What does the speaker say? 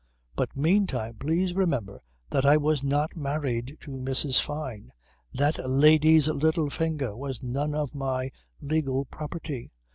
But meantime please remember that I was not married to Mrs. Fyne. That lady's little finger was none of my legal property.